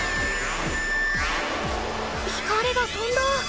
光がとんだ！